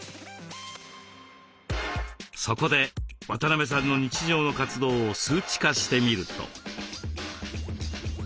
そこで渡邊さんの日常の活動を数値化してみると。